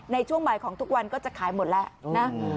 ในช่วงบ่ายของทุกวันก็จะขายหมดแล้วนะ